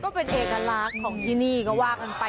ก็เป็นเอกลักษณ์ของยินดีกว่ากันไป